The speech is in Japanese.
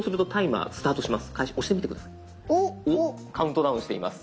カウントダウンしています。